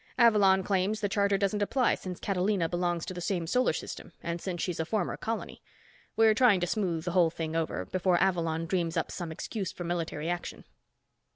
Avalon claims the Charter doesn't apply since Catalina belongs to the same solar system and since she's a former colony. We're trying to smooth the whole thing over, before Avalon dreams up some excuse for military action."